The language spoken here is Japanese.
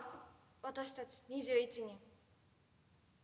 私たち２１人。